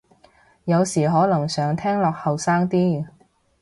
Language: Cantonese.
有時可能想聽落後生啲